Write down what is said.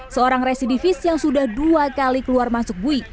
seorang residivis yang sudah dua kali keluar masuk bui